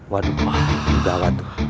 waduh wah gila banget tuh